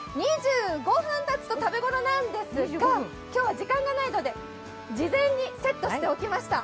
２５分たつと食べごろなんですが今日は時間がないので事前にセットしておきました